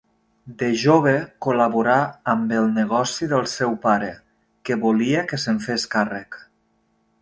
De jove, col·laborà amb el negoci del seu pare, que volia que se'n fes càrrec.